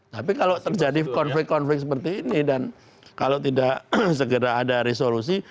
tapi kalau terjadi konflik konflik seperti ini dan kalau tidak segera ada resolusi